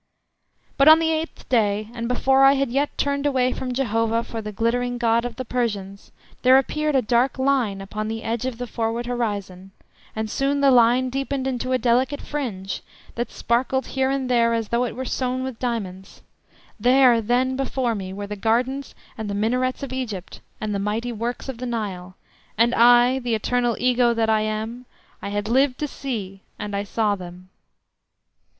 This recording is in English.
But on the eighth day, and before I had yet turned away from Jehovah for the glittering god of the Persians, there appeared a dark line upon the edge of the forward horizon, and soon the line deepened into a delicate fringe, that sparkled here and there as though it were sewn with diamonds. There, then, before me were the gardens and the minarets of Egypt and the mighty works of the Nile, and I (the eternal Ego that I am!)—I had lived to see, and I saw them.